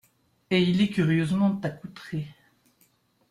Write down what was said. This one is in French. Et il est curieusement accoutré.